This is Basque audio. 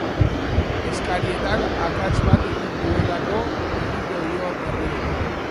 Eskarietan akats bat egin duelako egingo dio errieta.